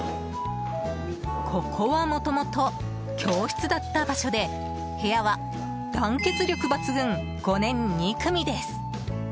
ここはもともと教室だった場所で部屋は団結力バツグン５年２組です。